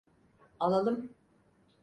Alalım.